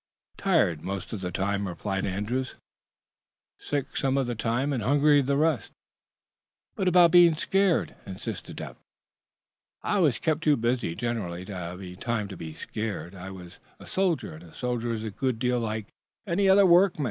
"Tired, most of the time," replied Andrews. "Sick some of the time, and hungry the rest." "But about being scared?" insisted Eph. "I was kept too busy, generally, to have any time to give to being scared. I was a soldier, and a soldier is a good deal like any other workman.